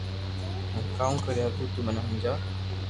ھون ڪاو ڪري ھگو تو مني ھمجاو